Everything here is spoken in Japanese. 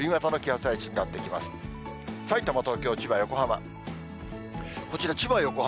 さいたま、東京、千葉、横浜。